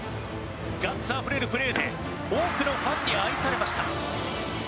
ガッツあふれるプレーで多くのファンに愛されました。